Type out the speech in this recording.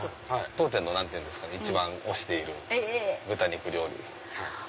当店の一番推している豚肉料理です。